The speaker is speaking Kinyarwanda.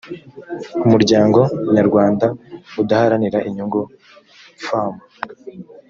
umuryango nyarwanda udaharanira inyungu pfam